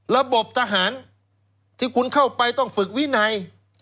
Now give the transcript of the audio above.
ระบบทหารที่คุณเข้าไปต้องฝึกวินัย